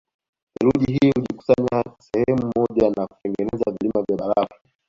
Theluji hii hujikusanya sehemu moja na kutengeneza vilima vya barafu